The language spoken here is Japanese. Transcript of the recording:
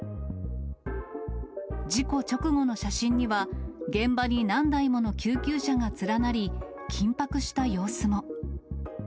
事故直後の写真には、現場に何台もの救急車が連なり、緊迫した様子も。